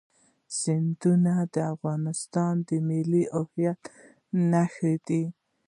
سیندونه د افغانستان د ملي هویت نښه ده.